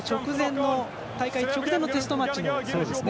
大会直前のテストマッチもそうですね。